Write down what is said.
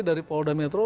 dari polda meta